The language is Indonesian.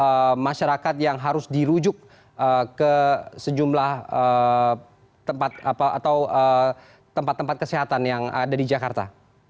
ada masyarakat yang harus dirujuk ke sejumlah tempat atau tempat tempat kesehatan yang ada di jakarta